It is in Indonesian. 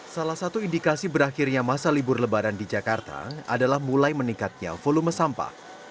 salah satu indikasi berakhirnya masa libur lebaran di jakarta adalah mulai meningkatnya volume sampah